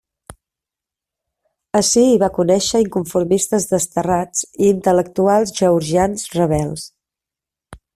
Ací hi va conéixer inconformistes desterrats i intel·lectuals georgians rebels.